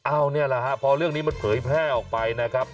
เอานี่แหละฮะพอเรื่องนี้มันเผยแพร่ออกไปนะครับ